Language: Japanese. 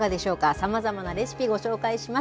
さまざまなレシピ、ご紹介します。